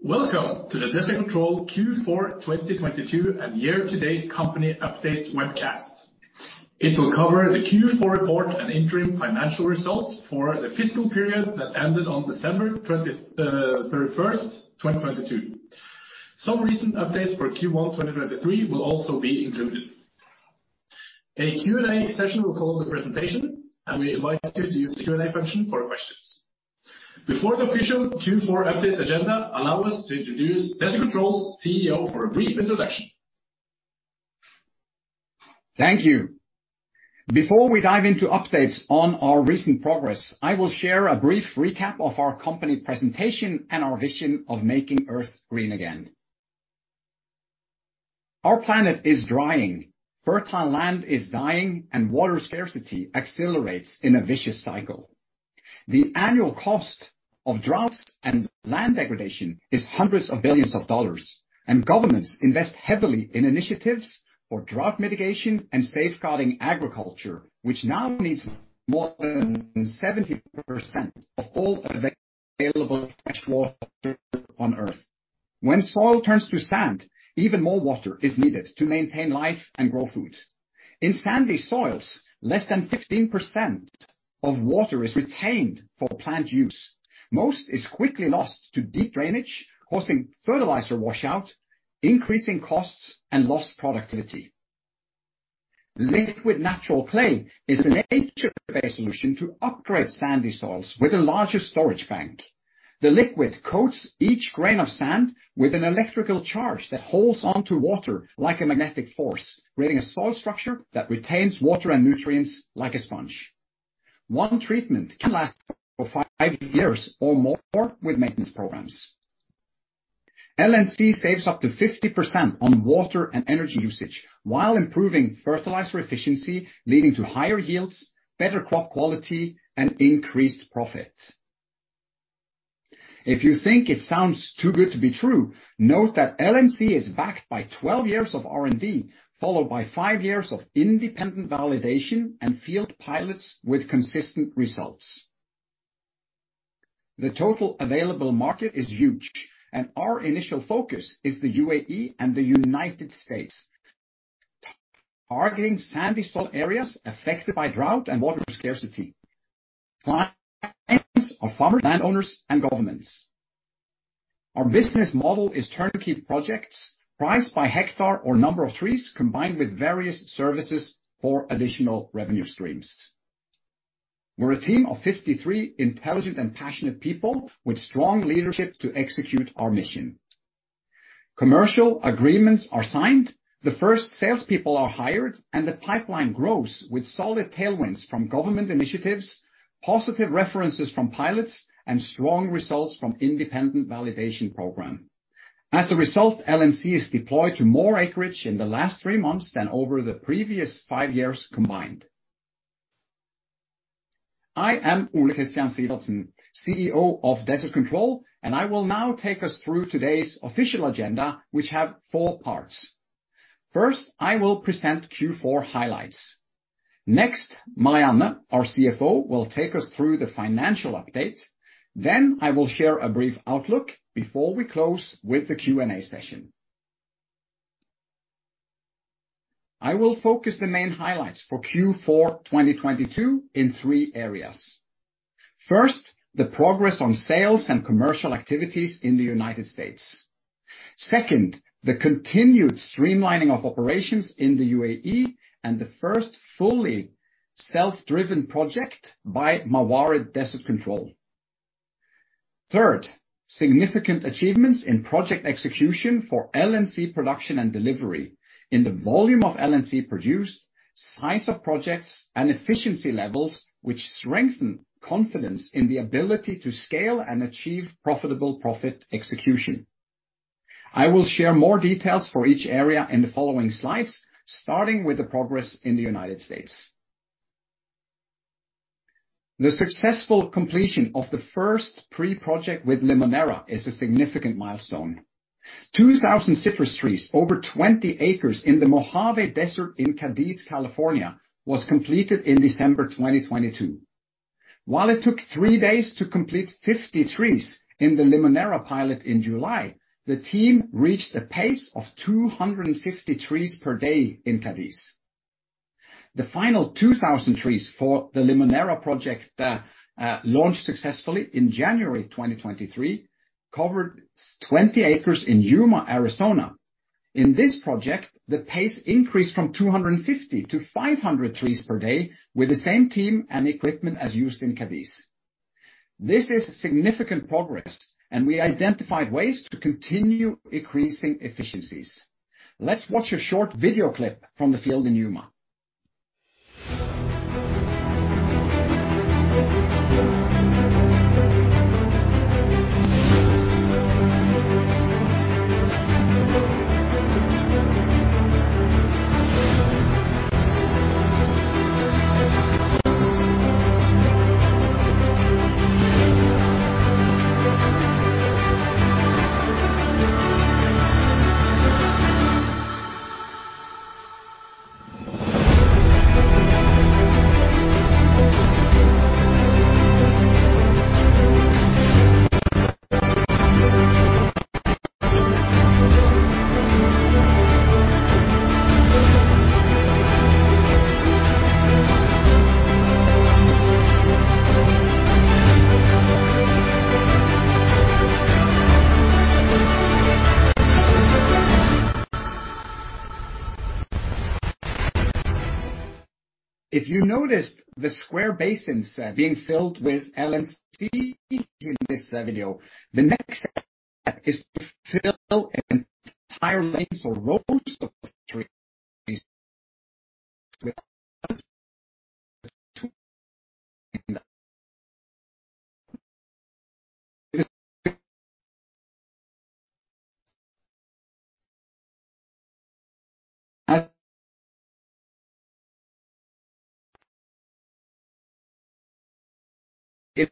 Welcome to the Desert Control Q4 2022 and year-to-date company update webcast. It will cover the Q4 report and interim financial results for the fiscal period that ended on December 31st, 2022. Some recent updates for Q1 2023 will also be included. A Q&A session will follow the presentation, and we invite you to use the Q&A function for questions. Before the official Q4 update agenda, allow us to introduce Desert Control's CEO for a brief introduction. Thank you. Before we dive into updates on our recent progress, I will share a brief recap of our company presentation and our vision of making earth green again. Our planet is drying. Fertile land is dying, and water scarcity accelerates in a vicious cycle. The annual cost of droughts and land degradation is hundreds of billions of dollars, and governments invest heavily in initiatives for drought mitigation and safeguarding agriculture, which now needs more than 70% of all available fresh water on Earth. When soil turns to sand, even more water is needed to maintain life and grow food. In sandy soils, less than 15% of water is retained for plant use. Most is quickly lost to deep drainage, causing fertilizer washout, increasing costs, and lost productivity. Liquid Natural Clay is a nature-based solution to upgrade sandy soils with a larger storage bank. The liquid coats each grain of sand with an electrical charge that holds onto water like a magnetic force, creating a soil structure that retains water and nutrients like a sponge. One treatment can last for five years or more with maintenance programs. LNC saves up to 50% on water and energy usage while improving fertilizer efficiency, leading to higher yields, better crop quality, and increased profits. If you think it sounds too good to be true, note that LNC is backed by 12 years of R&D, followed by five years of independent validation and field pilots with consistent results. The total available market is huge. Our initial focus is the U.A.E. and the United States, targeting sandy soil areas affected by drought and water scarcity. Clients are farmer landowners and governments. Our business model is turnkey projects priced by hectare or number of trees, combined with various services for additional revenue streams. We're a team of 53 intelligent and passionate people with strong leadership to execute our mission. Commercial agreements are signed, the first salespeople are hired, and the pipeline grows with solid tailwinds from government initiatives, positive references from pilots, and strong results from independent validation program. As a result, LNC is deployed to more acreage in the last three months than over the previous five years combined. I am Ole Kristian Sivertsen, CEO of Desert Control, and I will now take us through today's official agenda, which have 4 parts. First, I will present Q4 highlights. Next, Marianne, our CFO, will take us through the financial update. I will share a brief outlook before we close with the Q&A session. I will focus the main highlights for Q4 2022 in three areas. First, the progress on sales and commercial activities in the United States. Second, the continued streamlining of operations in the U.A.E. and the first fully self-driven project by Mawarid Desert Control. Third, significant achievements in project execution for LNC production and delivery in the volume of LNC produced, size of projects and efficiency levels which strengthen confidence in the ability to scale and achieve profitable profit execution. I will share more details for each area in the following slides, starting with the progress in the United States. The successful completion of the first pre-project with Limoneira is a significant milestone. 2,000 citrus trees over 20 acres in the Mojave Desert in Cadiz, California, was completed in December 2022. While it took three days to complete 50 trees in the Limoneira pilot in July, the team reached a pace of 250 trees per day in Cadiz. The final 2,000 trees for the Limoneira project launched successfully in January 2023, covered 20 acres in Yuma, Arizona. In this project, the pace increased from 250 to 500 trees per day with the same team and equipment as used in Cadiz. This is significant progress, and we identified ways to continue increasing efficiencies. Let's watch a short video clip from the field in Yuma. If you noticed the square basins being filled with LNC in this video, the next step is to fill entire lanes or rows of trees with LNC.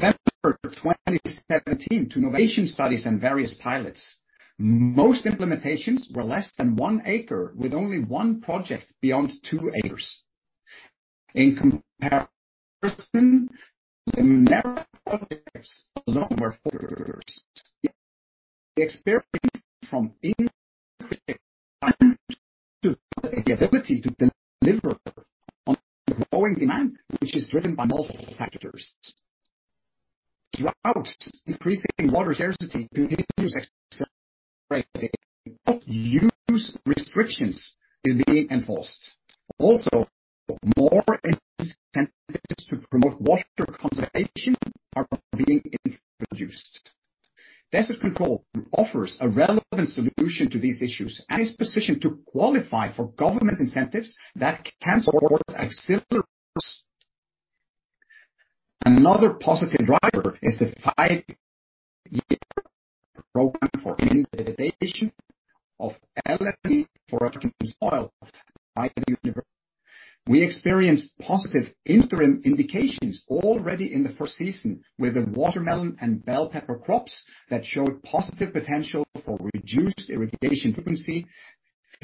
September 2017 to innovation studies and various pilots. Most implementations were less than 1 acre, with only one project beyond 2 acres. In comparison, Limoneira projects alone were 4 acres. The experiment from the ability to deliver on growing demand, which is driven by multiple factors. Throughout increasing water scarcity continues accelerating, water use restrictions is being enforced. Also, more incentives to promote water conservation are being introduced. Desert Control offers a relevant solution to these issues and is positioned to qualify for government incentives that can support acceleration. Another positive driver is the five-year program for implementation of LNC for orange oil by the university. We experienced positive interim indications already in the first season with the watermelon and bell pepper crops that showed positive potential for reduced irrigation frequency,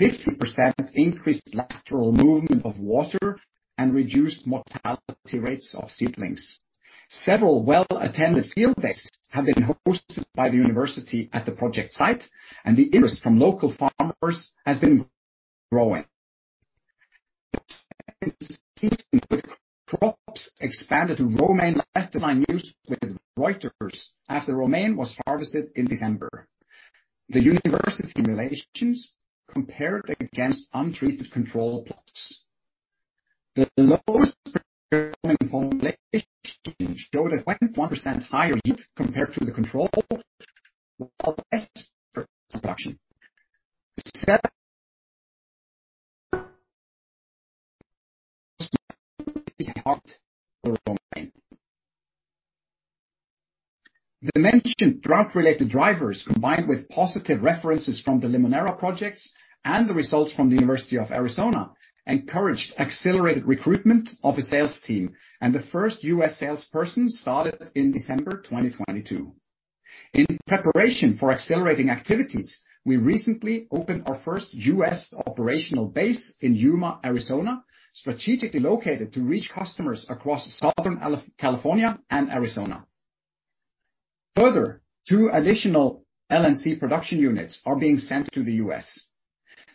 50% increased lateral movement of water, and reduced mortality rates of seedlings. Several well-attended field days have been hosted by the university at the project site, and the interest from local farmers has been growing. Crops expanded to Romaine lettuce were in use with Reuters after Romaine was harvested in December. The university simulations compared against untreated control plots. The lowest showed a 21% higher yield compared to the control production. Several Romaine. The mentioned drought-related drivers, combined with positive references from the Limoneira projects and the results from the University of Arizona, encouraged accelerated recruitment of a sales team, and the first U.S. salesperson started in December 2022. In preparation for accelerating activities, we recently opened our first U.S. operational base in Yuma, Arizona, strategically located to reach customers across Southern California and Arizona. Further, two additional LNC production units are being sent to the U.S.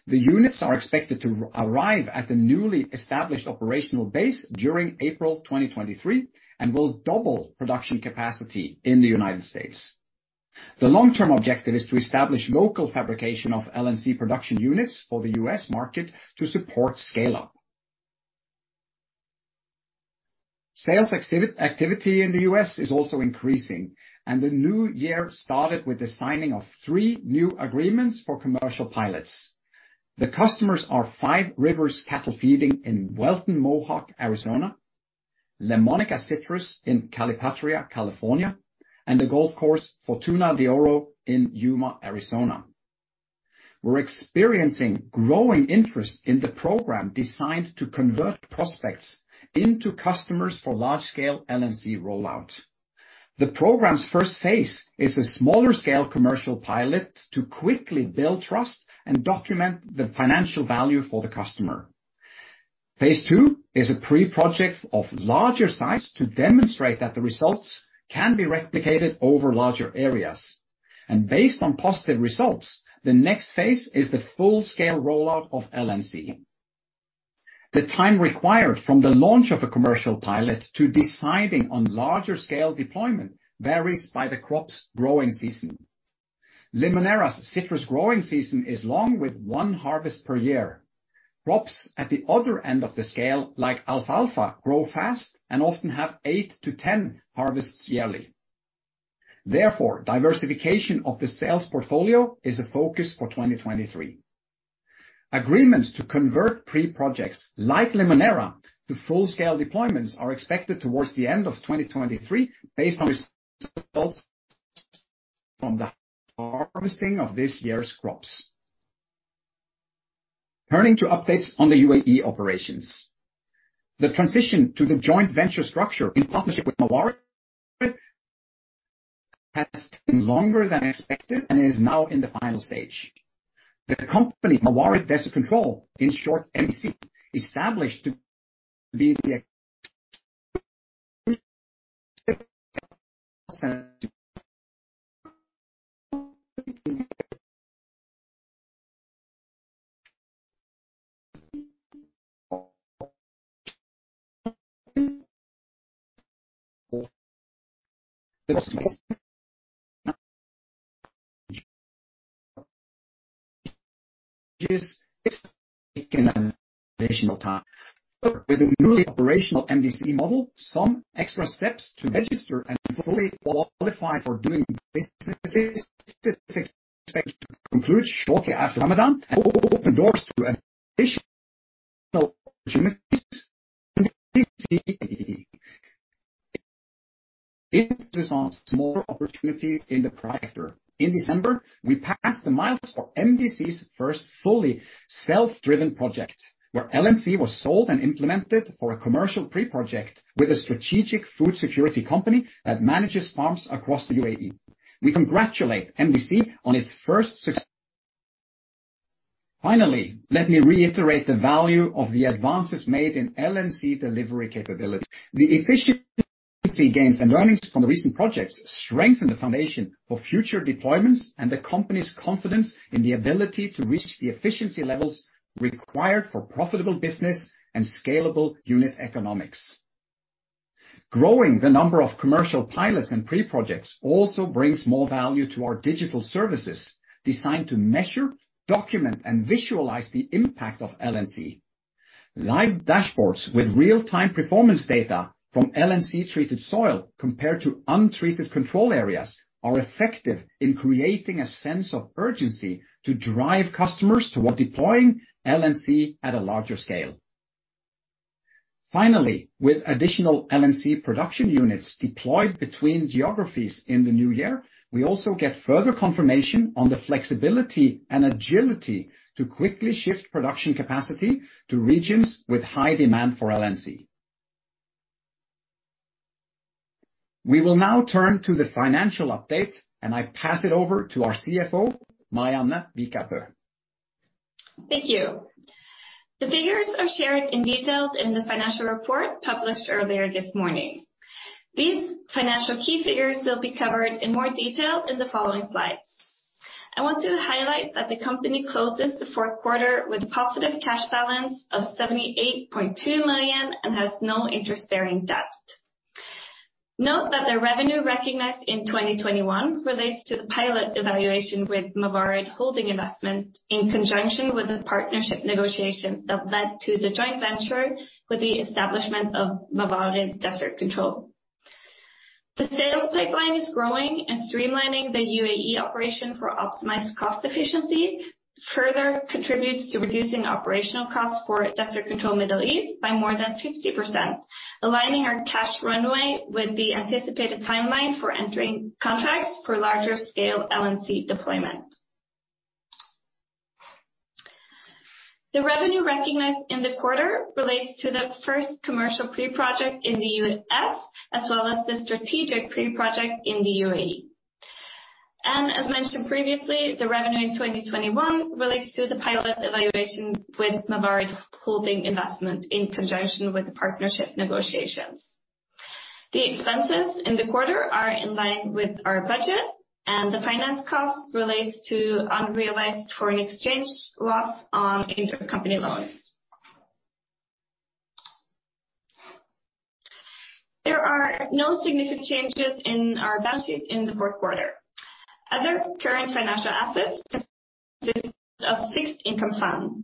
The units are expected to arrive at the newly established operational base during April 2023 and will double production capacity in the United States. The long-term objective is to establish local fabrication of LNC production units for the U.S. market to support scale-up. Sales activity in the U.S. is also increasing. The new year started with the signing of three new agreements for commercial pilots. The customers are Five Rivers Cattle Feeding in Wellton-Mohawk, Arizona, Limoneira Citrus in Calipatria, California, and the golf course Fortuna de Oro in Yuma, Arizona. We're experiencing growing interest in the program designed to convert prospects into customers for large-scale LNC rollout. The program's first phase is a smaller scale commercial pilot to quickly build trust and document the financial value for the customer. Phase two is a pre-project of larger size to demonstrate that the results can be replicated over larger areas. Based on positive results, the next phase is the full-scale rollout of LNC. The time required from the launch of a commercial pilot to deciding on larger scale deployment varies by the crop's growing season. Limoneira's citrus growing season is long, with one harvest per year. Crops at the other end of the scale, like Alfalfa, grow fast and often have eight to 10 harvests yearly. Therefore, diversification of the sales portfolio is a focus for 2023. Agreements to convert pre-projects like Limoneira to full-scale deployments are expected towards the end of 2023 based on results from the harvesting of this year's crops. Turning to updates on the U.A.E. operations. The transition to the joint venture structure in partnership with Mawarid has taken longer than expected and is now in the final stage. The company, Mawarid Desert Control, in short, MDC, additional time. With a newly operational MDC model, some extra steps to register and fully qualify for doing business is expected to conclude shortly after Ramadan, more opportunities in the quarter. In December, we passed the miles for MDC's first fully self-driven project, where LNC was sold and implemented for a commercial pre-project with a strategic food security company that manages farms across the U.A.E.. We congratulate MDC on its first success. Finally, let me reiterate the value of the advances made in LNC delivery capability. The efficiency gains and learnings from the recent projects strengthen the foundation for future deployments and the company's confidence in the ability to reach the efficiency levels required for profitable business and scalable unit economics. Growing the number of commercial pilots and pre-projects also brings more value to our digital services designed to measure, document, and visualize the impact of LNC. Live dashboards with real-time performance data from LNC-treated soil compared to untreated control areas are effective in creating a sense of urgency to drive customers toward deploying LNC at a larger scale. With additional LNC production units deployed between geographies in the new year, we also get further confirmation on the flexibility and agility to quickly shift production capacity to regions with high demand for LNC. We will now turn to the financial update, and I pass it over to our CFO Marianne Vika Bøe. Thank you. The figures are shared in detail in the financial report published earlier this morning. These financial key figures will be covered in more detail in the following slides. I want to highlight that the company closes the fourth quarter with positive cash balance of 78.2 million and has no interest-bearing debt. Note that the revenue recognized in 2021 relates to the pilot evaluation with Mawarid Holding Investment in conjunction with the partnership negotiations that led to the joint venture with the establishment of Mawarid Desert Control. The sales pipeline is growing and streamlining the U.A.E. operation for optimized cost efficiency, further contributes to reducing operational costs for Desert Control Middle East by more than 50%, aligning our cash runway with the anticipated timeline for entering contracts for larger scale LNC deployment. The revenue recognized in the quarter relates to the first commercial pre-project in the U.S., as well as the strategic pre-project in the U.A.E.. As mentioned previously, the revenue in 2021 relates to the pilot evaluation with Mawarid Holding Investment in conjunction with the partnership negotiations. The expenses in the quarter are in line with our budget, and the finance cost relates to unrealized foreign exchange loss on intercompany loans. There are no significant changes in our balance sheet in the fourth quarter. Other current financial assets of fixed income fund.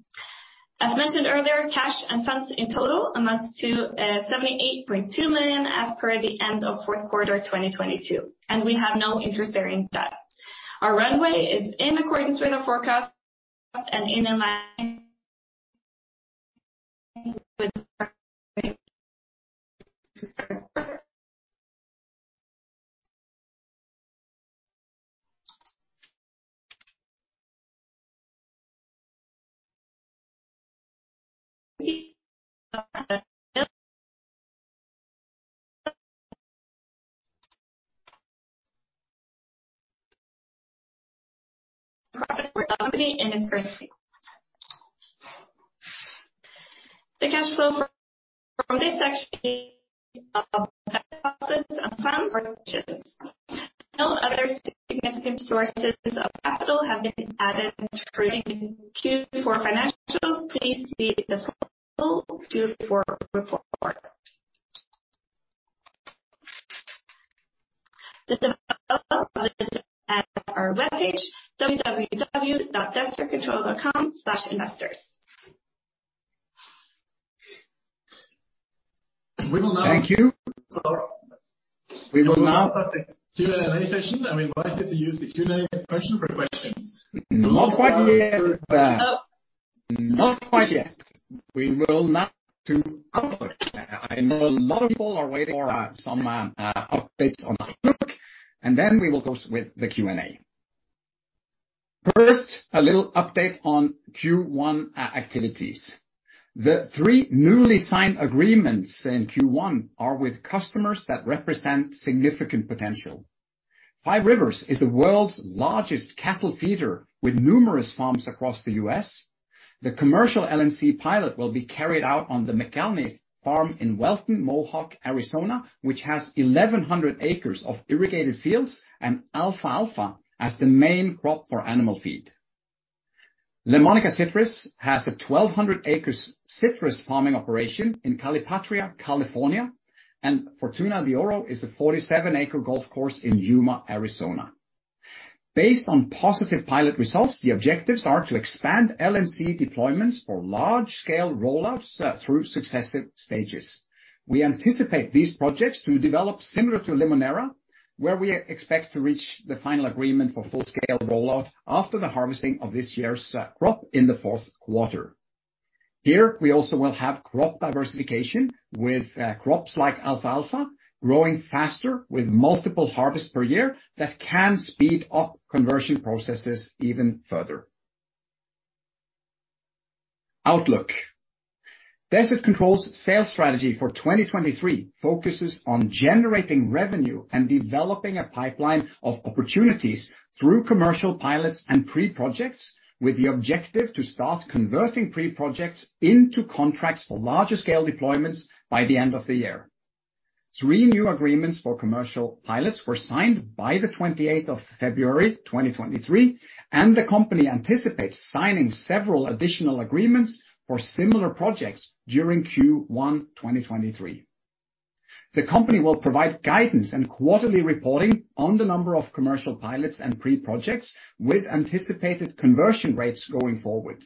As mentioned earlier, cash and funds in total amounts to 78.2 million as per the end of fourth quarter 2022, and we have no interest-bearing debt. Our runway is in accordance with our forecast and in line with the cash flow from this section. No other significant sources of capital have been added through Q4 financials. Please see the full Q4 report. The developer at our webpage www.desertcontrol.com/investors. We will now-. Thank you. We will now- Q&A session. I invite you to use the Q&A function for questions. Not quite yet. We will now do output. I know a lot of people are waiting for updates on the hook, and then we will close with the Q&A. First, a little update on Q1 activities. The three newly signed agreements in Q1 are with customers that represent significant potential. Five Rivers is the world's largest cattle feeder, with numerous farms across the U.S.. The commercial LNC pilot will be carried out on the McElhaney farm in Wellton-Mohawk, Arizona, which has 1,100 acres of irrigated fields and Alfalfa as the main crop for animal feed. Limoneira has a 1,200 acres citrus farming operation in Calipatria, California, and Fortuna de Oro is a 47 acre golf course in Yuma, Arizona. Based on positive pilot results, the objectives are to expand LNC deployments for large scale rollouts through successive stages. We anticipate these projects to develop similar to Limoneira, where we expect to reach the final agreement for full-scale rollout after the harvesting of this year's crop in the fourth quarter. Here, we also will have crop diversification with crops like Alfalfa growing faster with multiple harvests per year that can speed up conversion processes even further. Outlook. Desert Control's sales strategy for 2023 focuses on generating revenue and developing a pipeline of opportunities through commercial pilots and pre-projects, with the objective to start converting pre-projects into contracts for larger scale deployments by the end of the year. Three new agreements for commercial pilots were signed by the 28th of February 2023, and the company anticipates signing several additional agreements for similar projects during Q1 2023. The company will provide guidance and quarterly reporting on the number of commercial pilots and pre-projects with anticipated conversion rates going forward.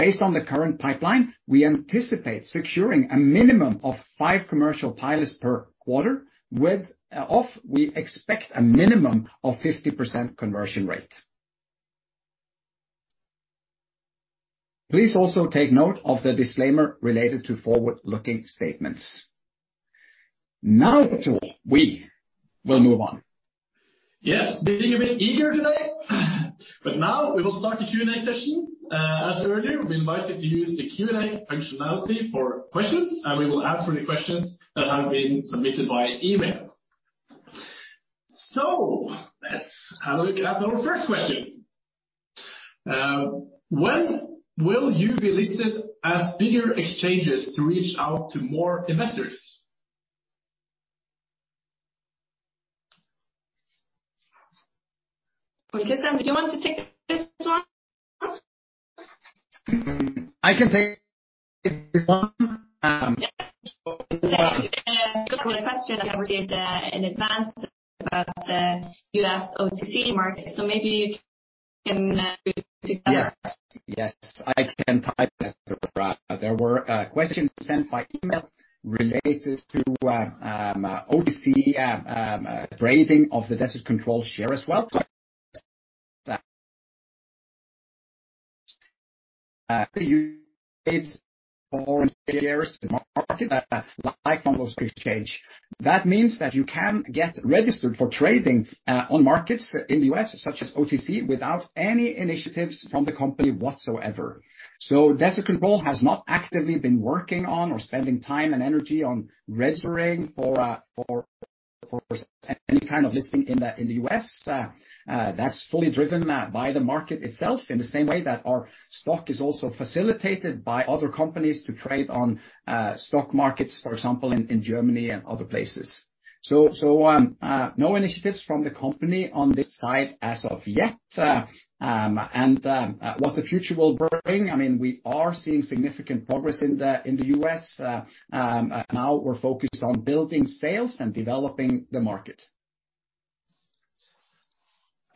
Based on the current pipeline, we anticipate securing a minimum of five commercial pilots per quarter, with, off we expect a minimum of 50% conversion rate. Please also take note of the disclaimer related to forward-looking statements. Now, Joel, we will move on. Yes, being a bit eager today, but now we will start the Q&A session. As earlier, we invite you to use the Q&A functionality for questions, and we will answer any questions that have been submitted by email. Let's have a look at our first question. When will you be listed as bigger exchanges to reach out to more investors? Kristian, do you want to take this one? I can take this one. Yeah. Because it was a question that we received in advance about the U.S. OTC market, maybe you can do that. Yes. Yes, I can type that. There were questions sent by email related to OTC trading of the Desert Control share as well. That means that you can get registered for trading on markets in the U.S., such as OTC, without any initiatives from the company whatsoever. Desert Control has not actively been working on or spending time and energy on registering for any kind of listing in the U.S. That's fully driven by the market itself, in the same way that our stock is also facilitated by other companies to trade on stock markets, for example, in Germany and other places. No initiatives from the company on this side as of yet. What the future will bring, I mean, we are seeing significant progress in the, in the U.S. Now we're focused on building sales and developing the market.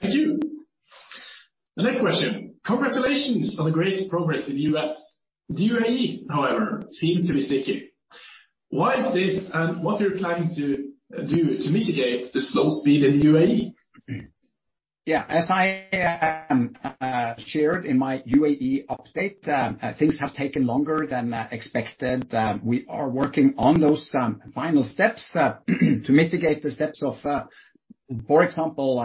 Thank you. The next question: Congratulations on the great progress in the U.S. The U.A.E., however, seems to be sticking. Why is this, and what are you planning to do to mitigate the slow speed in the U.A.E.? Yeah. As I shared in my U.A.E. update, things have taken longer than expected. We are working on those final steps to mitigate the steps of, for example,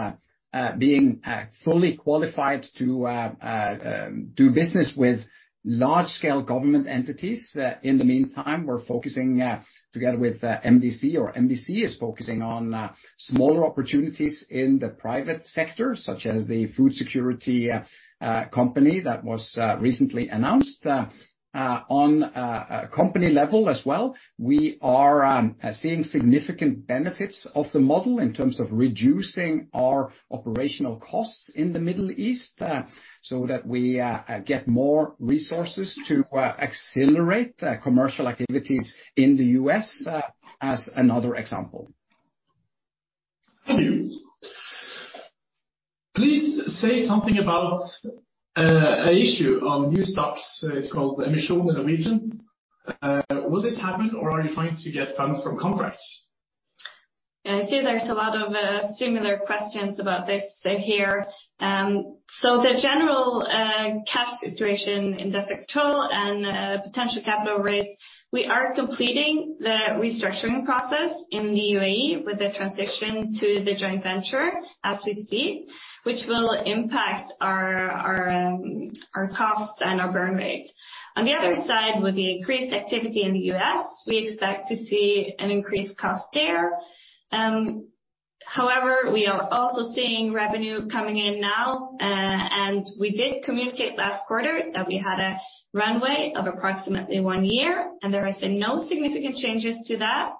being fully qualified to do business with large scale government entities. In the meantime, we're focusing together with MDC, or MDC is focusing on smaller opportunities in the private sector, such as the food security company that was recently announced. On company level as well, we are seeing significant benefits of the model in terms of reducing our operational costs in the Middle East, so that we get more resources to accelerate commercial activities in the U.S., as another example. Thank you. Please say something about a issue on new stocks. It's called emission in Norwegian. Will this happen, or are you trying to get funds from contracts? I see there's a lot of similar questions about this here. The general cash situation in Desert Control and potential capital raise, we are completing the restructuring process in the U.A.E. with the transition to the joint venture as we speak, which will impact our costs and our burn rate. On the other side, with the increased activity in the U.S., we expect to see an increased cost there. However, we are also seeing revenue coming in now, and we did communicate last quarter that we had a runway of approximately one year, and there has been no significant changes to that.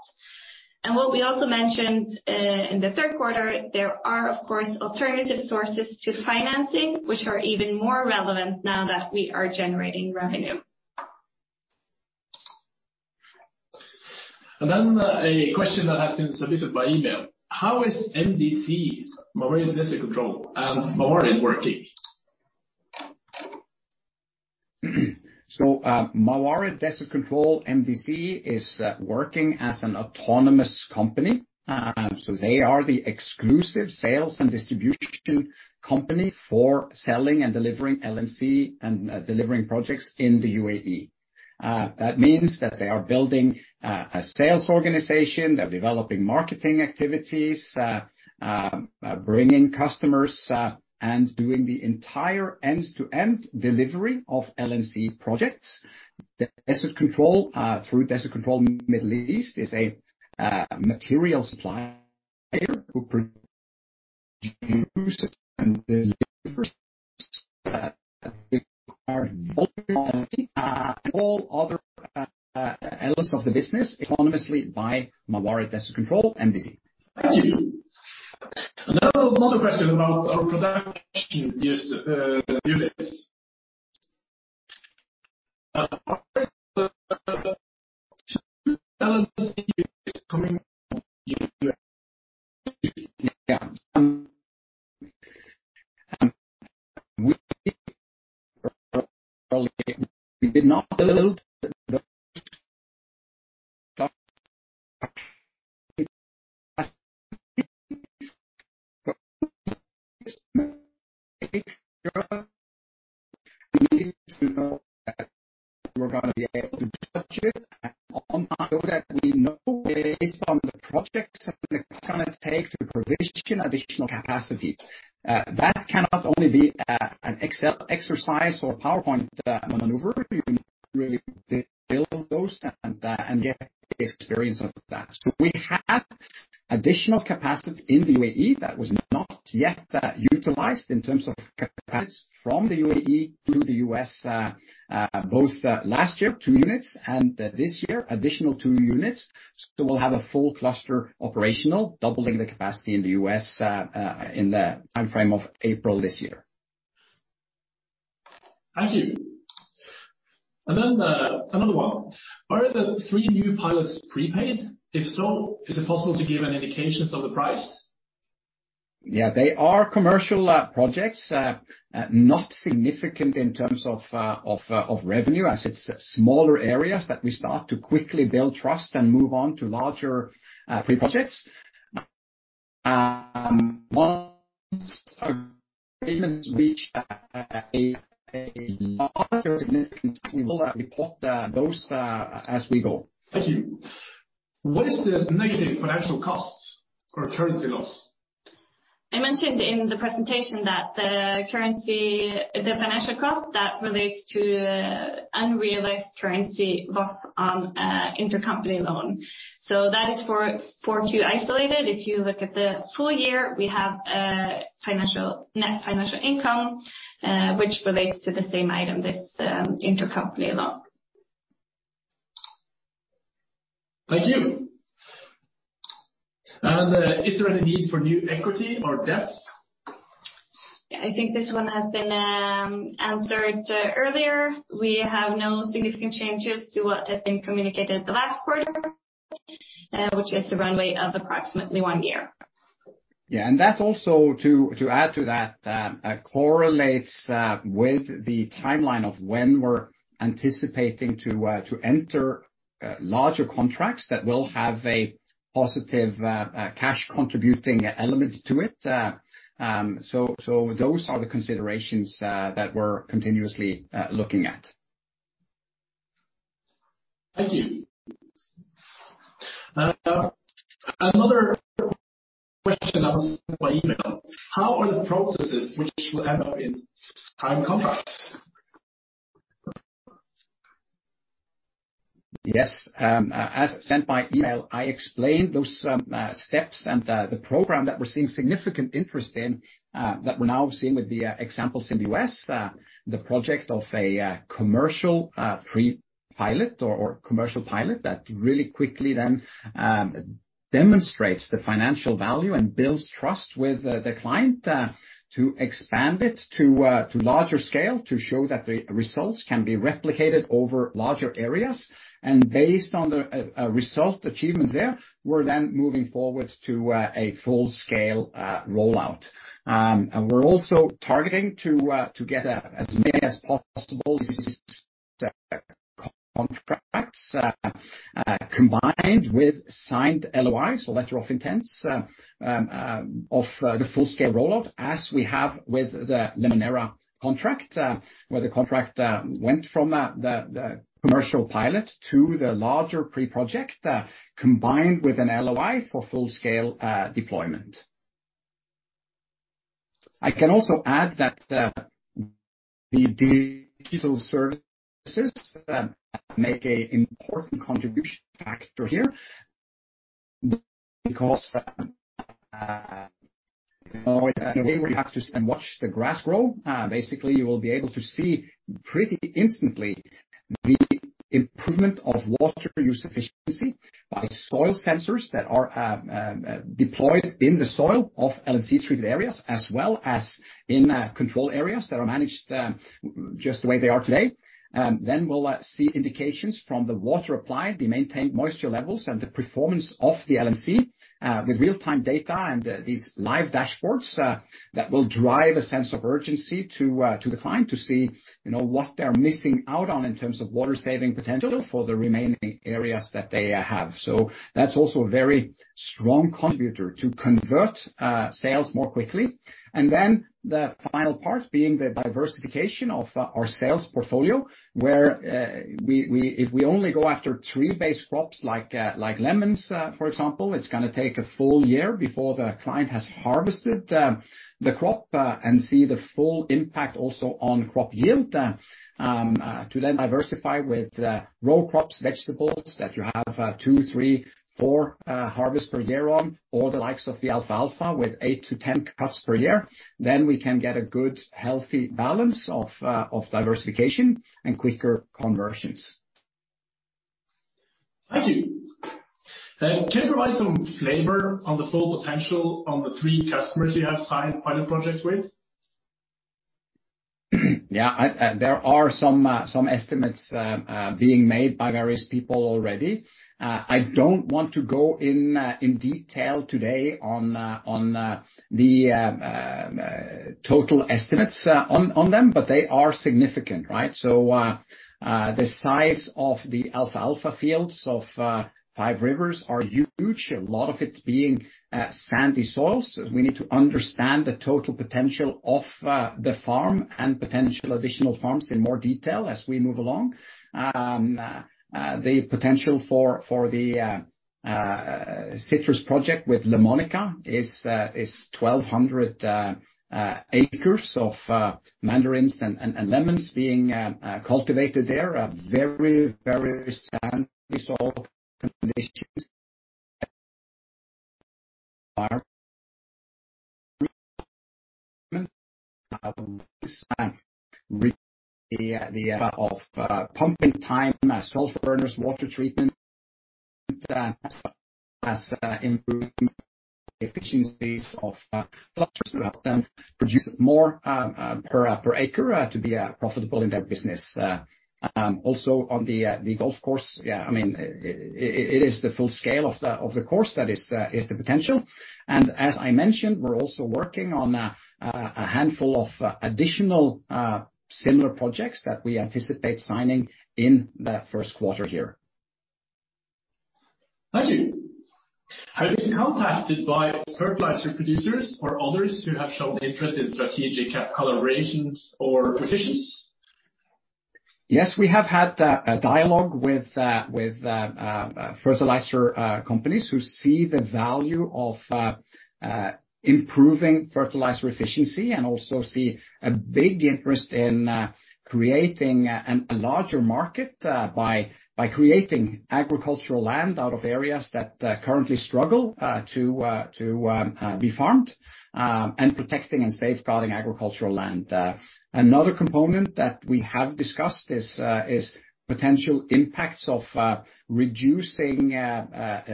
What we also mentioned in the third quarter, there are, of course, alternative sources to financing, which are even more relevant now that we are generating revenue. A question that has been submitted by email. How is MDC, Mawarid Desert Control and Mawarid working? Mawarid Desert Control, MDC, is working as an autonomous company. They are the exclusive sales and distribution company for selling and delivering LNC and delivering projects in the U.A.E.. That means that they are building a sales organization, they're developing marketing activities, bringing customers, and doing the entire end-to-end delivery of LNC projects. Desert Control, through Desert Control Middle East is a material supplier who produces and delivers require all other elements of the business autonomously by Mawarid Desert Control, MDC. Thank you. Another question about our production units. We need to know that we're gonna be able to judge it and so that we know based on the projects that it's gonna take to provision additional capacity. That cannot only be an Excel exercise or PowerPoint maneuver. You really build those and get the experience of that. We have additional capacity in the U.A.E. That was not yet utilized in terms of capacities from the U.A.E. to the U.S., both last year, two units, and this year additional two units. We'll have a full cluster operational, doubling the capacity in the U.S., in the timeframe of April this year. Thank you. Another one. Are the three new pilots prepaid? If so, is it possible to give an indications of the price? Yeah. They are commercial projects. Not significant in terms of revenue, as it's smaller areas that we start to quickly build trust and move on to larger pre-projects. Once our agreements reach a significant, we will report those as we go. Thank you. What is the negative financial cost for a currency loss? I mentioned in the presentation that the financial cost that relates to unrealized currency was on a intercompany loan. That is for Q isolated. If you look at the full year, we have a net financial income, which relates to the same item, this intercompany loan. Thank you. Is there any need for new equity or debt? I think this one has been answered earlier. We have no significant changes to what has been communicated the last quarter, which is the runway of approximately one year. Yeah. That's also to add to that, correlates with the timeline of when we're anticipating to enter larger contracts that will have a positive cash contributing element to it. Those are the considerations that we're continuously looking at. Thank you. Another question asked by email. How are the processes which will end up in prime contracts? Yes. As sent by email, I explained those steps and the program that we're seeing significant interest in that we're now seeing with the examples in the U.S. The project of a commercial pre-pilot or commercial pilot that really quickly demonstrates the financial value and builds trust with the client to expand it to larger scale, to show that the results can be replicated over larger areas. Based on the result achievements there, we're then moving forward to a full-scale rollout. We're also targeting to get as many as possible contracts combined with signed LOIs or letters of intent of the full-scale rollout as we have with the Limoneira contract, where the contract went from the commercial pilot to the larger pre-project combined with an LOI for full-scale deployment. I can also add that the digital services make a important contribution factor here because, you know, in a way where you have to sit and watch the grass grow, basically you will be able to see pretty instantly the improvement of water use efficiency by soil sensors that are deployed in the soil of LNC-treated areas, as well as in control areas that are managed just the way they are today. We'll see indications from the water applied, the maintained moisture levels, and the performance of the LNC with real-time data and these live dashboards that will drive a sense of urgency to the client to see, you know, what they're missing out on in terms of water-saving potential for the remaining areas that they have. That's also a very strong contributor to convert sales more quickly. The final part being the diversification of our sales portfolio, where we if we only go after tree-based crops like lemons, for example, it's gonna take a full year before the client has harvested the crop and see the full impact also on crop yield. To then diversify with row crops, vegetables that you have two, three, four harvests per year on, or the likes of the Alfalfa with eight to 10 crops per year, then we can get a good, healthy balance of diversification and quicker conversions. Thank you. Can you provide some flavor on the full potential on the three customers you have signed pilot projects with? Yeah. I, there are some estimates being made by various people already. I don't want to go in detail today on the total estimates on them, but they are significant, right? The size of the Alfalfa fields of Five Rivers are huge, a lot of it being sandy soils. We need to understand the total potential of the farm and potential additional farms in more detail as we move along. The potential for the citrus project with Limoneira is 1,200 acres of mandarins and lemons being cultivated there. Very sandy soil conditions are pumping time, salt burners, water treatment that has improved efficiencies of Produce more per acre to be profitable in their business. Also on the golf course, yeah, I mean, it is the full scale of the course that is the potential. As I mentioned, we're also working on a handful of additional similar projects that we anticipate signing in the first quarter here. Thank you. Have you been contacted by fertilizer producers or others who have shown interest in strategic collaborations or positions? Yes, we have had a dialogue with fertilizer companies who see the value of improving fertilizer efficiency and also see a big interest in creating a larger market by creating agricultural land out of areas that currently struggle to be farmed and protecting and safeguarding agricultural land. Another component that we have discussed is potential impacts of reducing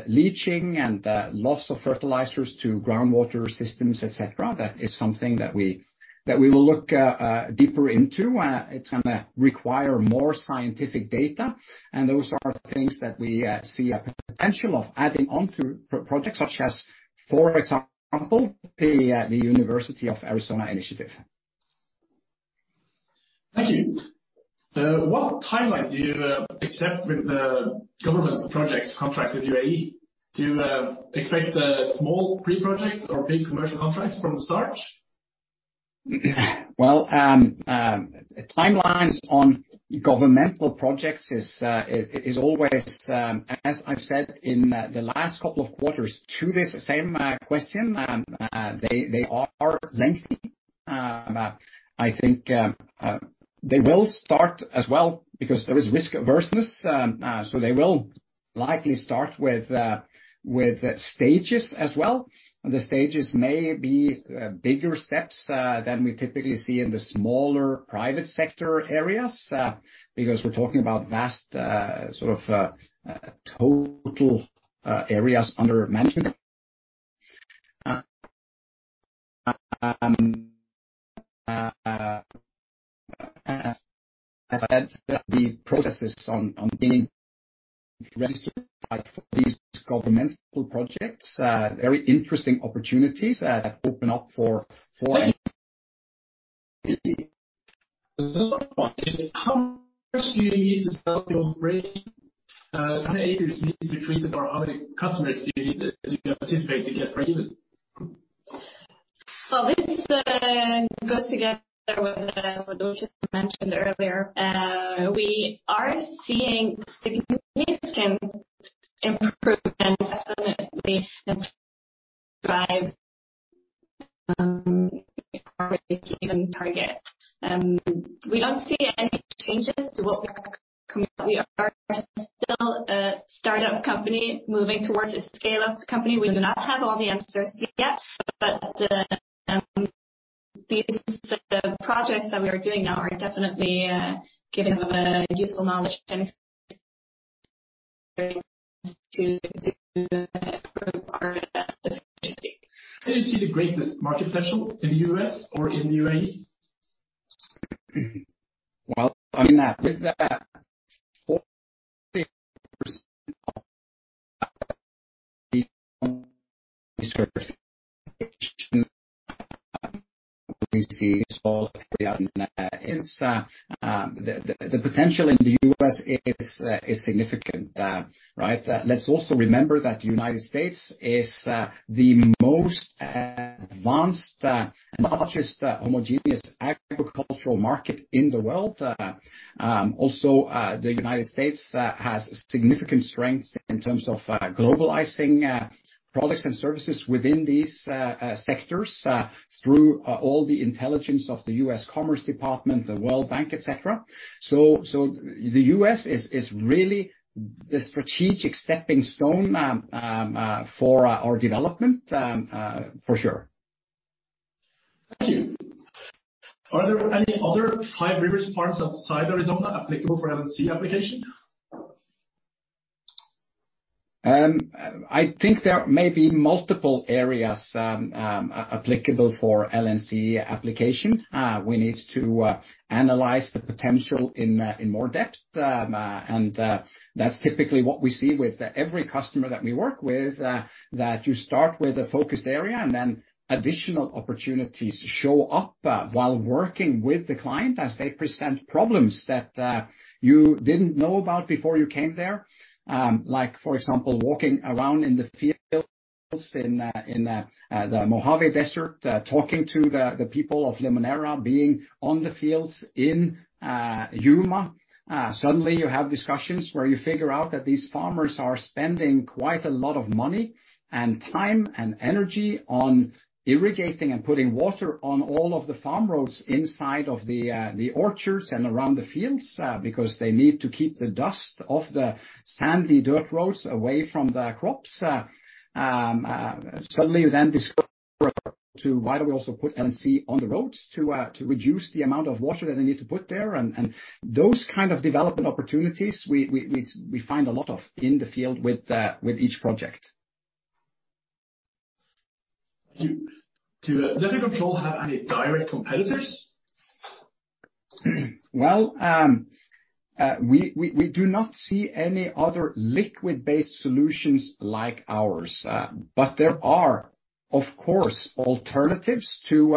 leaching and loss of fertilizers to groundwater systems, et cetera. That is something that we will look deeper into. It's gonna require more scientific data, and those are things that we see a potential of adding on to projects such as, for example, the University of Arizona initiative. Thank you. What timeline do you accept with the government project contracts with U.A.E.? Do you expect small pre-projects or big commercial contracts from the start? Well, timelines on governmental projects is always, as I've said in the last couple of quarters to this same question, they are lengthy. I think they will start as well because there is risk averseness, so they will likely start with stages as well. The stages may be bigger steps than we typically see in the smaller private sector areas, because we're talking about vast, sort of, total areas under management. As I said, the processes on getting registered for these governmental projects, very interesting opportunities open up. Another one is how much do you need to sell to break, how many acres need to be treated for how many customers do you need to participate to get breakeven? This goes together with what Lucia mentioned earlier. We are seeing significant improvements definitely since drive, our even target. We don't see any changes to what we are committed. We are still a startup company moving towards a scaleup company. We do not have all the answers yet, but these projects that we are doing now are definitely giving them a useful knowledge and experience to improve our efficiency. You see the greatest market potential in the U.S. or in the U.A.E.? Well, I mean, with that 40% of We see small areas and, the potential in the U.S. is significant, right? Let's also remember that United States is the most advanced and largest homogeneous agricultural market in the world. Also, the United States has significant strengths in terms of globalizing products and services within these sectors through all the intelligence of the U.S. Commerce Department, the World Bank, et cetera. The U.S. is really the strategic stepping stone for our development for sure. Thank you. Are there any other Five Rivers parts outside Arizona applicable for LNC application? I think there may be multiple areas applicable for LNC application. We need to analyze the potential in more depth. That's typically what we see with every customer that we work with, that you start with a focused area and then additional opportunities show up while working with the client as they present problems that you didn't know about before you came there. Like for example, walking around in the fields in the Mojave Desert, talking to the people of Limoneira being on the fields in Yuma. Suddenly you have discussions where you figure out that these farmers are spending quite a lot of money and time and energy on irrigating and putting water on all of the farm roads inside of the orchards and around the fields because they need to keep the dust off the sandy dirt roads away from the crops. Suddenly you then discover to why do we also put LNC on the roads to reduce the amount of water that they need to put there. Those kind of development opportunities we find a lot of in the field with each project. Thank you. Do Desert Control have any direct competitors? We do not see any other liquid-based solutions like ours. There are of course, alternatives to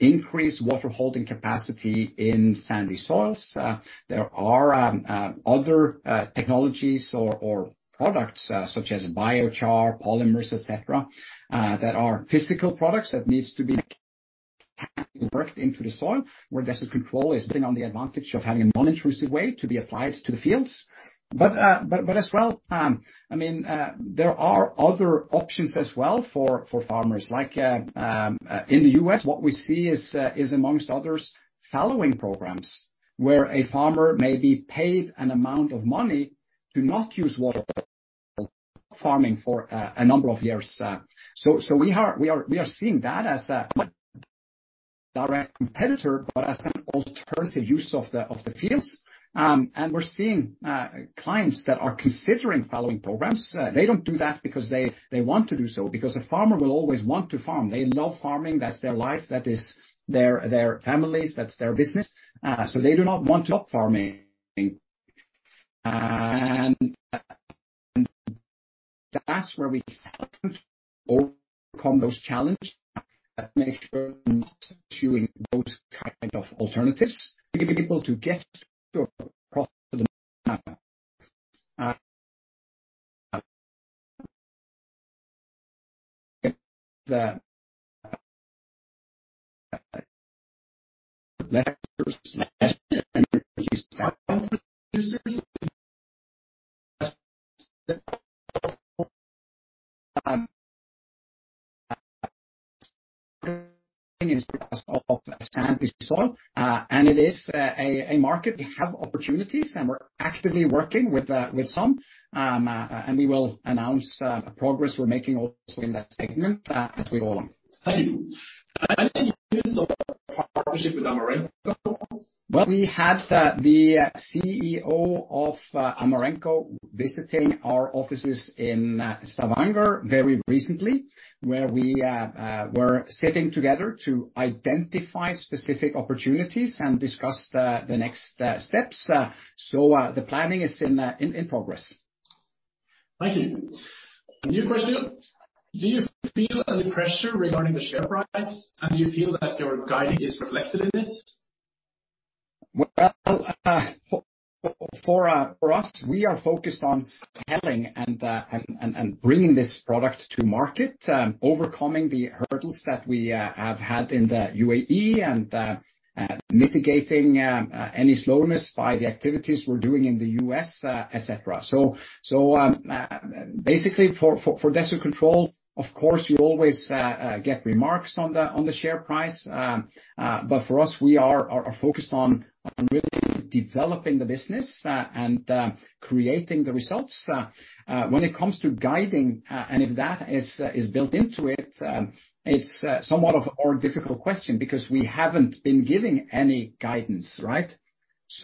increase water holding capacity in sandy soils. There are other technologies or products such as Biochar, Polymers, et cetera, that are physical products that needs to be worked into the soil, where Desert Control has been on the advantage of having a non-intrusive way to be applied to the fields. As well, I mean, there are other options as well for farmers, like in the U.S. what we see is amongst others fallowing programs, where a farmer may be paid an amount of money to not use water for farming for a number of years. We are seeing that as a direct competitor, but as an alternative use of the fields. We're seeing clients that are considering Fallowing programs. They don't do that because they want to do so, because a farmer will always want to farm. They love farming, that's their life, that is their families, that's their business. They do not want to stop farming. That's where we overcome those challenges and make sure not doing those kind of alternatives to be able to get your product to the market. It is a market. We have opportunities, and we're actively working with some, and we will announce progress we're making also in that segment as we go along. Thank you. Any news on partnership with Amarenco? Well, we had the CEO of Amarenco visiting our offices in Stavanger very recently, where we were sitting together to identify specific opportunities and discuss the next steps. The planning is in progress. Thank you. A new question. Do you feel any pressure regarding the share price? Do you feel that your guiding is reflected in it? Well, for us, we are focused on selling and bringing this product to market, overcoming the hurdles that we have had in the U.A.E. and mitigating any slowness by the activities we're doing in the U.S., et cetera. Basically for Desert Control, of course, you always get remarks on the share price. For us, we are focused on really developing the business and creating the results. When it comes to guiding, and if that is built into it's somewhat of a more difficult question because we haven't been giving any guidance, right?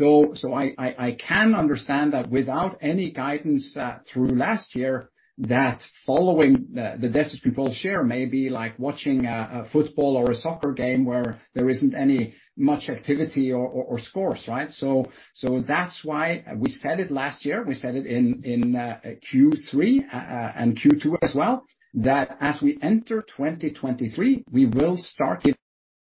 I can understand that without any guidance through last year, that following the Desert Control share may be like watching a football or a soccer game where there isn't any much activity or scores, right? That's why we said it last year. We said it in Q3 and Q2 as well, that as we enter 2023, we will start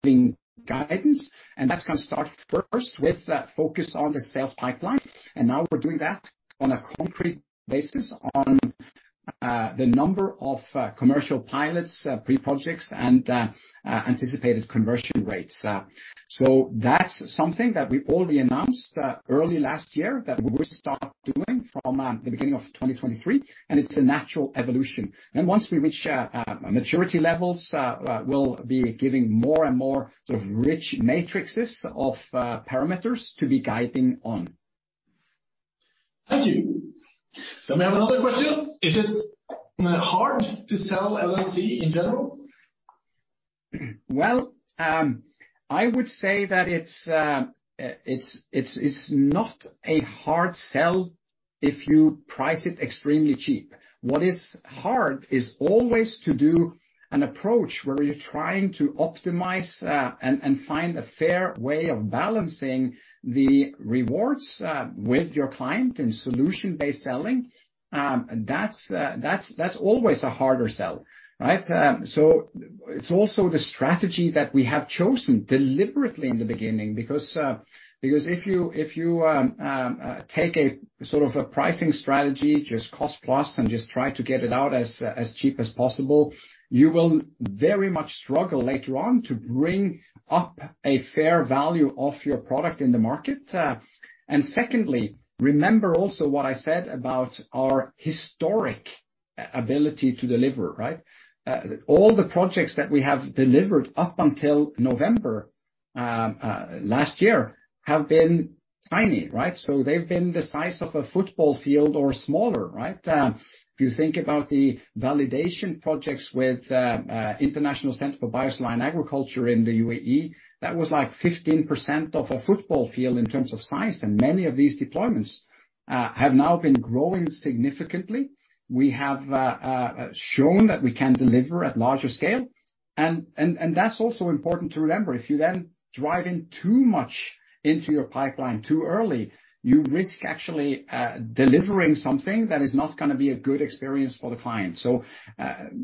giving guidance. That's gonna start first with a focus on the sales pipeline. Now we're doing that on a concrete basis on the number of commercial pilots, pre-projects and anticipated conversion rates. That's something that we already announced early last year that we start doing from the beginning of 2023, and it's a natural evolution. Once we reach maturity levels, we'll be giving more and more sort of rich matrixes of parameters to be guiding on. Thank you. We have another question. Is it hard to sell LNC in general? Well, I would say that it's not a hard sell if you price it extremely cheap. What is hard is always to do an approach where you're trying to optimize and find a fair way of balancing the rewards with your client and solution-based selling. That's always a harder sell, right? It's also the strategy that we have chosen deliberately in the beginning because if you take a sort of a pricing strategy, just cost plus and just try to get it out as cheap as possible, you will very much struggle later on to bring up a fair value of your product in the market. Secondly, remember also what I said about our historic ability to deliver, right? All the projects that we have delivered up until November last year have been tiny, right? They've been the size of a football field or smaller, right? If you think about the validation projects with International Center for Biosaline Agriculture in the U.A.E., that was like 15% of a football field in terms of size, and many of these deployments have now been growing significantly. We have shown that we can deliver at larger scale. That's also important to remember. If you then drive in too much into your pipeline too early, you risk actually delivering something that is not gonna be a good experience for the client.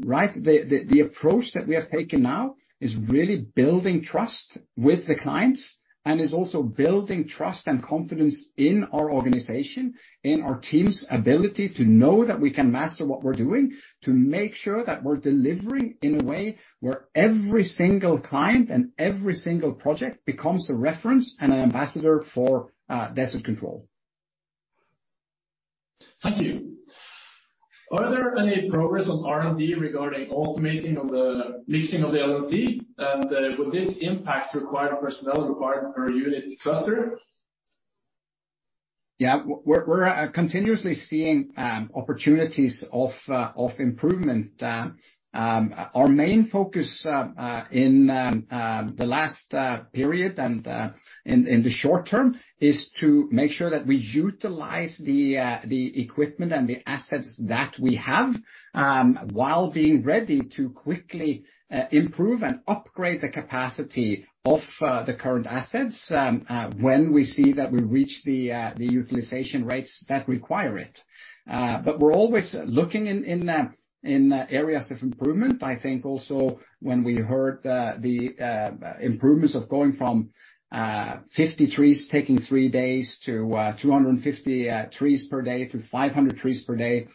Right? The approach that we have taken now is really building trust with the clients and is also building trust and confidence in our organization, in our team's ability to know that we can master what we're doing to make sure that we're delivering in a way where every single client and every single project becomes a reference and an ambassador for Desert Control. Thank you. Are there any progress on R&D regarding automating of the mixing of the LNC? Would this impact required personnel required per unit cluster? We're continuously seeing opportunities of improvement. Our main focus in the last period and in the short term is to make sure that we utilize the equipment and the assets that we have, while being ready to quickly improve and upgrade the capacity of the current assets when we see that we reach the utilization rates that require it. We're always looking in areas of improvement. I think also when we heard the improvements of going from 50 trees taking three days to 250 trees per day to 500 trees per day,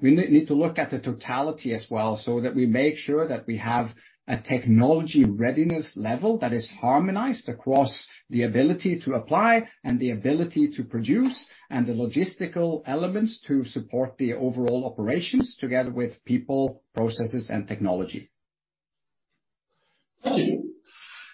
we need to look at the totality as well so that we make sure that we have a Technology Readiness Level that is harmonized across the ability to apply and the ability to produce and the logistical elements to support the overall operations together with people, processes, and technology. Thank you.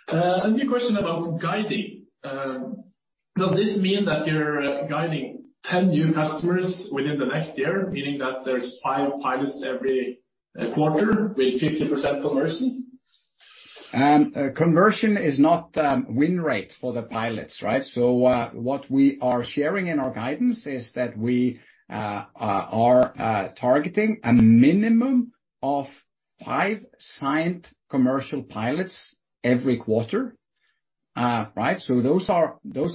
A new question about guiding. Does this mean that you're guiding 10 new customers within the next year, meaning that there's five pilots every quarter with 50% conversion? Conversion is not win rate for the pilots, right? What we are sharing in our guidance is that we are targeting a minimum of five signed commercial pilots every quarter. Right, those are there's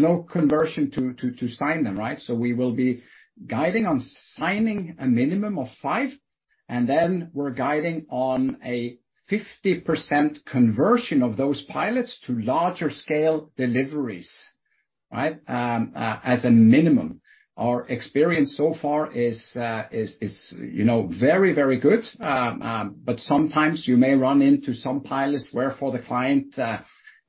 no conversion to sign them, right? We will be guiding on signing a minimum of five, and then we're guiding on a 50% conversion of those pilots to larger scale deliveries, right? As a minimum. Our experience so far is, you know, very, very good. Sometimes you may run into some pilots where for the client,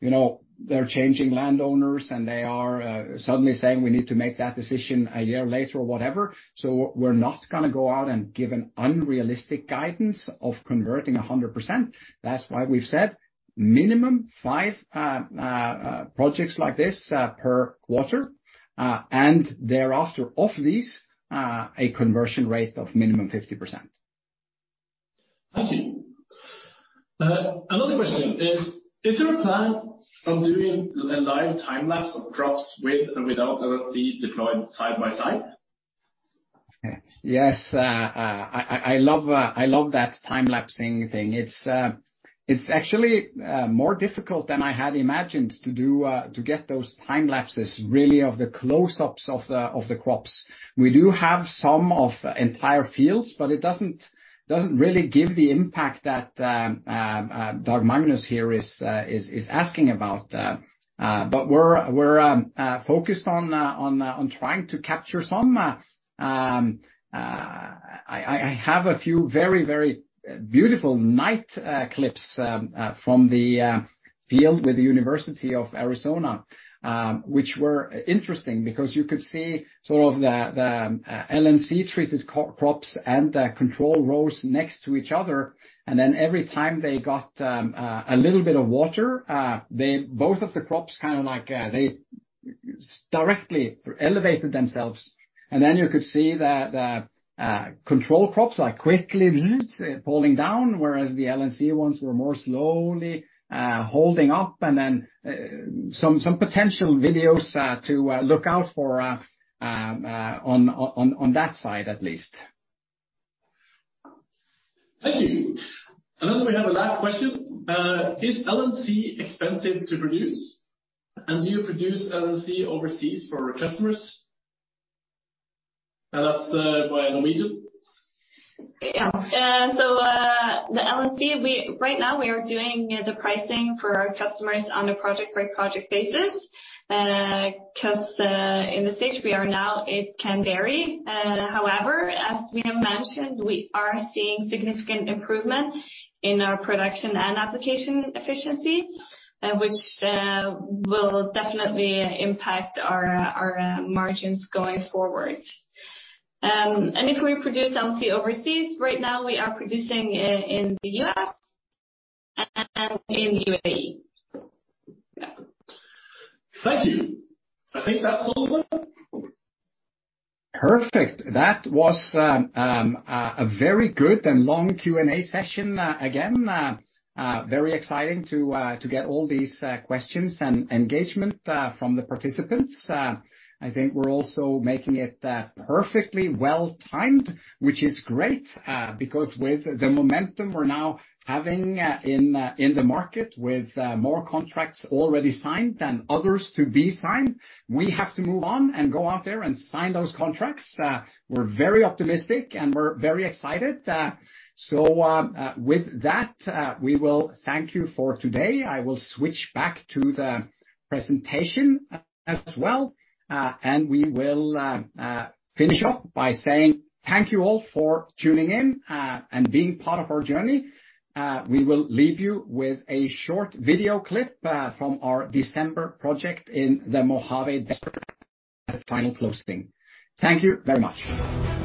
you know, they're changing landowners and they are suddenly saying, "We need to make that decision a year later," or whatever. We're not gonna go out and give an unrealistic guidance of converting 100%. That's why we've said minimum five projects like this per quarter, and thereafter of these, a conversion rate of minimum 50%. Thank you. another question is: Is there a plan on doing a live time-lapse of crops with or without LNC deployed side by side? Yes. I love that time-lapsing thing. It's actually more difficult than I had imagined to do to get those time-lapses really of the close-ups of the crops. We do have some of entire fields, but it doesn't really give the impact that Dag Magnus here is asking about. We're focused on trying to capture some. I have a few very, very beautiful night clips from the field with the University of Arizona, which were interesting because you could see sort of the LNC-treated crops and the control rows next to each other. Every time they got a little bit of water. both of the crops kind of like, they directly elevated themselves. Then you could see that control crops, like, quickly falling down, whereas the LNC ones were more slowly holding up. Then some potential videos to look out for on, on that side at least. Thank you. Then we have a last question. Is LNC expensive to produce, and do you produce LNC overseas for your customers? That's by Louise. The LNC, right now we are doing the pricing for our customers on a project-by-project basis, 'cause in the stage we are now, it can vary. However, as we have mentioned, we are seeing significant improvements in our production and application efficiency, which will definitely impact our margins going forward. If we produce LNC overseas, right now we are producing it in the U.S. and in U.A.E.. Thank you. I think that's all of them. Perfect. That was a very good and long Q&A session, again. Very exciting to get all these questions and engagement from the participants. I think we're also making it perfectly well timed, which is great, because with the momentum we're now having in the market with more contracts already signed and others to be signed, we have to move on and go out there and sign those contracts. We're very optimistic, and we're very excited. With that, we will thank you for today. I will switch back to the presentation as well, and we will finish up by saying thank you all for tuning in and being part of our journey. We will leave you with a short video clip, from our December project in the Mojave Desert as a final closing. Thank you very much.